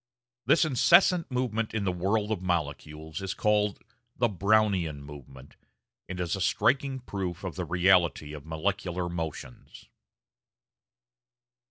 This incessant movement in the world of molecules is called the Brownian movement, and is a striking proof of the reality of molecular motions.